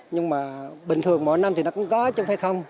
nhưng mà bình thường mỗi năm thì nó cũng có chứ phải không